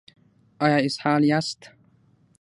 ایا اسهال یاست؟